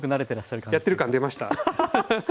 やってる感出ました？